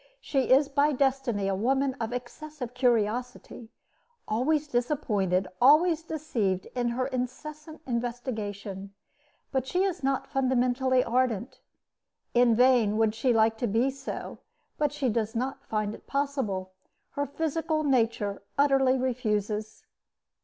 She is by destiny a woman of excessive curiosity, always disappointed, always deceived in her incessant investigation, but she is not fundamentally ardent. In vain would she like to be so, but she does not find it possible. Her physical nature utterly refuses.